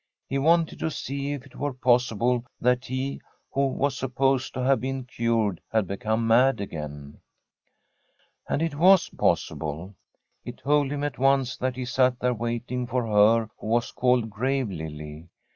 He wanted to see if it were possible that he who was supposed to have been cured had become mad again. And it was possible. He told him at once that he sat there waiting for her who was called Grave Lily.